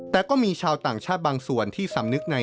แต่ก็มีชาวต่างชาติบางส่วนที่สำนึกใน